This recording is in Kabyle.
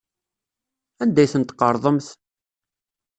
Anda ay ten-tqerḍemt?